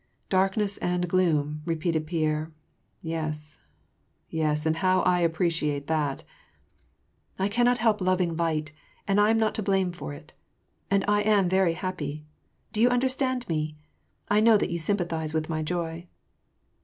" Darkness and gloom," repeated Pierre. " Yes, yes, and how I appreciate that !" ''I cannot help loving light, and I am not to blame for it. And I am very happy. Do you understand me ? I know that you sympathize witn my joy."